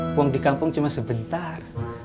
buang di kampung cuma sebentar